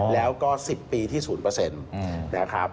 แล้วก็๑๐ปีที่๐นะครับ